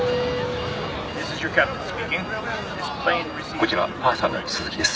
こちらパーサーの鈴木です。